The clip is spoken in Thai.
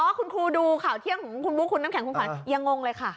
คุณครูดูข่าวเที่ยงของคุณบุ๊คคุณน้ำแข็งคุณขวัญยังงงเลยค่ะ